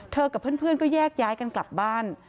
กับเพื่อนก็แยกย้ายกันกลับบ้าน